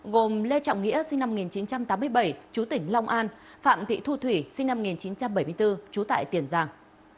gồm lê trọng nghĩa sinh năm một nghìn chín trăm tám mươi bảy chú tỉnh long an phạm thị thu thủy sinh năm một nghìn chín trăm bảy mươi bốn trú tại tiền giang